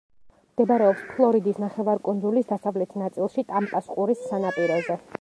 მდებარეობს ფლორიდის ნახევარკუნძულის დასავლეთ ნაწილში, ტამპას ყურის სანაპიროზე.